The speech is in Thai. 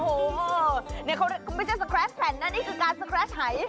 โอ้โหนี่คุณไม่ใช่สและนะว่านี่คือกาทสแคร์จ์หาย